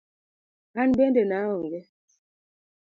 An bende naong'e.